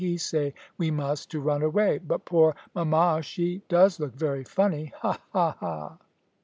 "He say we must, to run away. But poor mamma, she does look very funny, ha! ha! ha!"